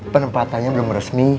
penempatannya belum resmi